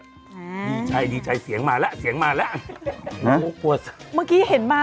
อืมดีใจดีใจเสียงมาแล้วเสียงมาแล้วน่ากลัวสิเมื่อกี้เห็นมา